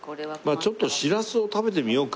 ちょっとしらすを食べてみようか。